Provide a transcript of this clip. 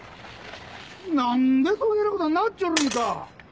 何でこねぇなことになっちょるんか！